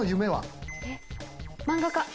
漫画家。